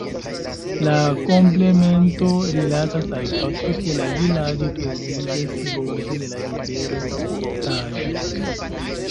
La komplemento rilatas al fakto ke la vilaĝo troviĝas borde de la rivero Taĵo.